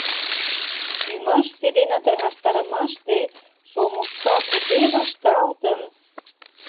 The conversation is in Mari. Ӱмашсе дене таҥастарымаште Шомушка кузе вашталтын!